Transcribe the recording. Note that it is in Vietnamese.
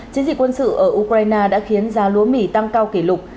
chiến dịch quân sự ở ukraine đã khiến giá lúa mì tăng cao kỷ lục